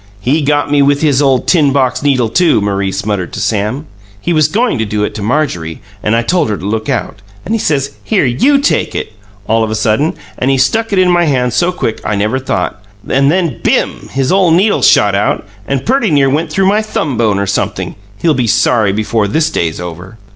"He got me with his ole tin box needle, too," Maurice muttered to Sam. "He was goin' to do it to Marjorie, and I told her to look out, and he says, 'Here, YOU take it!' all of a sudden, and he stuck it in my hand so quick I never thought. And then, BIM! his ole needle shot out and perty near went through my thumb bone or sumpthing. He'll be sorry before this day's over!"